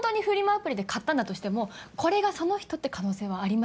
アプリで買ったんだとしてもこれがその人って可能性はありますよね。